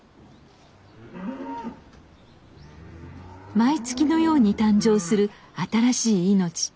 毎月のように誕生する新しい命。